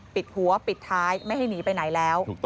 ปิดหัวปิดท้ายไม่ให้หนีไปไหนแล้ว